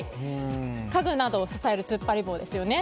家具などを支える突っ張り棒。